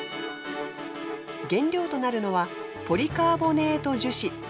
原料となるのはポリカーボネート樹脂。